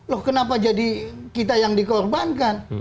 loh kenapa jadi kita yang dikorbankan